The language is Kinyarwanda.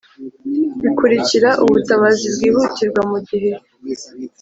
Bikurikira ubutabazi bwihutirwa mu gihe